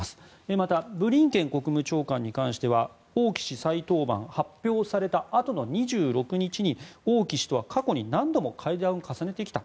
また、ブリンケン国務長官に関しては王毅氏再登板発表されたあとの２６日に王毅氏とは過去に何度も会談を重ねてきた。